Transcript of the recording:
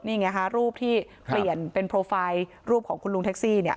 นี่ไงคะรูปที่เปลี่ยนเป็นโปรไฟล์รูปของคุณลุงแท็กซี่เนี่ย